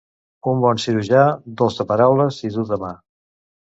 El bon cirurgià, dolç de paraules i dur de mà.